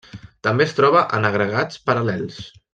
També es troba en agregats paral·lels.